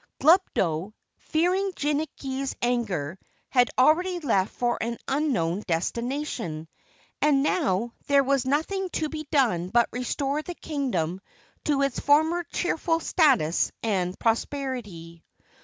Glubdo, fearing Jinnicky's anger, had already left for an unknown destination, and now there was nothing to be done but restore the Kingdom to its former cheerful status and prosperity.